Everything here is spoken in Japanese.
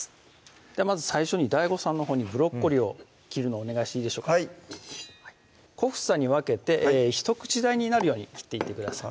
まず最初にＤＡＩＧＯさんのほうにブロッコリーを切るのお願いしていいでしょうかはい小房に分けて一口大になるように切っていってください